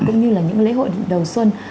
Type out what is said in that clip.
cũng như là những lễ hội đầu xuân